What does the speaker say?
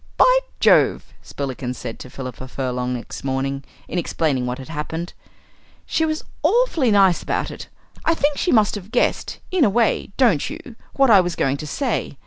"By Jove!" Spillikins said to Philippa Furlong next morning, in explaining what had happened, "she was awfully nice about it. I think she must have guessed, in a way, don't you, what I was going to say?